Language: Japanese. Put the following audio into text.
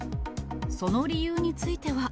その理由については。